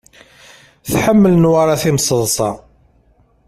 Tḥemmel Newwara timseḍṣa.